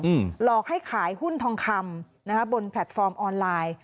หลอกให้ขายหุ้นทองคำนะคะบนแพลตฟอร์มออนไลน์